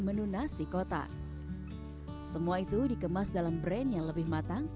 menu nasi kotak semua itu dikemas dalam brand yang lebih matang